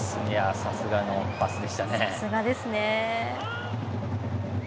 さすがのパスですね。